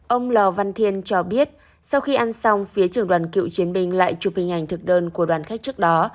ông lò văn thiên cho biết sau khi ăn xong phía trường đoàn cựu chiến binh lại chụp hình ảnh thực đơn của đoàn khách trước đó